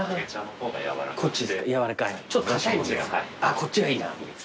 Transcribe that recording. こっちがいいな。